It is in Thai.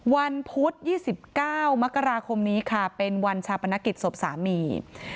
วันพุธ๒๙มกราคมนี้ค่ะเป็นวันชาปนกิจศพสามี